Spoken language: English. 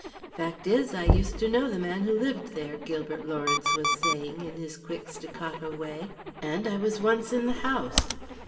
"Fact is I used to know the man who lived there," Gilbert Lawrence was saying in his quick staccato way. "And I was once in the house.